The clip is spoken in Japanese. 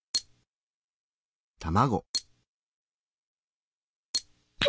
卵。